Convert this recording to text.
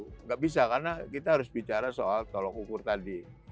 tidak bisa karena kita harus bicara soal tolok ukur tadi